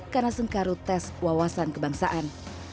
karena sengkaru tes wawasan kebangsaan